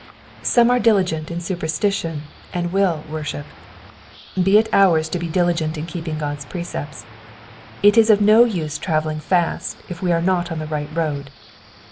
Some are diligent in superstition and will worship ; be it ours to be diligent in keepmg God's precepts. It is of no use travelling fast if we are not in the right road.